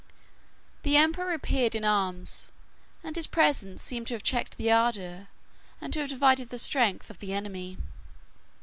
The emperor appeared in arms; and his presence seems to have checked the ardor, and to have divided the strength, of the enemy.